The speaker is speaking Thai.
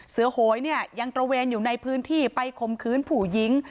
โหยเนี่ยยังตระเวนอยู่ในพื้นที่ไปคมคืนผู้หญิง